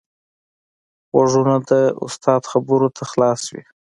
غوږونه د استاد خبرو ته خلاص وي